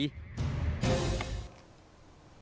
โรงพยาบาลไทย